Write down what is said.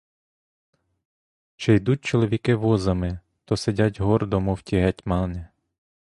Чи їдуть чоловіки возами, то сидять гордо, мов ті гетьмани.